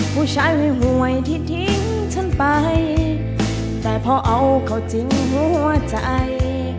ผู้ชายให้หวยที่ทิ้งฉันไปแต่พอเอาเขาจริงหัวใจ